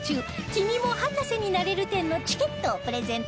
「君も博士になれる展」のチケットをプレゼント